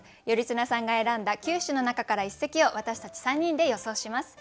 頼綱さんが選んだ九首の中から一席を私たち３人で予想します。